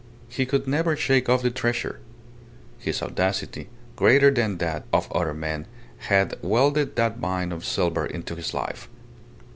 He could never shake off the treasure. His audacity, greater than that of other men, had welded that vein of silver into his life.